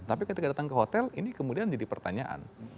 tapi ketika datang ke hotel ini kemudian jadi pertanyaan